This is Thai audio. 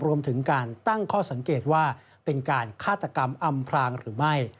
รวมถึงการตั้งข้อสังเกตว่าเป็นการฆาตกรรมอำพรางหรือไม่